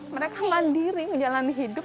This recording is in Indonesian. mereka mandiri menjalani hidup